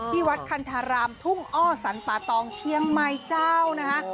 ที่วัดคันธารามทุ่งอ้อสันป่าตองเชียงใหม่เจ้านะคะ